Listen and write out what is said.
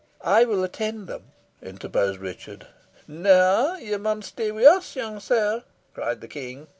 "I will attend them," interposed Richard. "Na, you maun stay wi' us, young sir," cried the King.